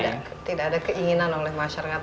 tidak ada keinginan oleh masyarakat